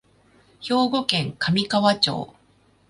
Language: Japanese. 兵庫県神河町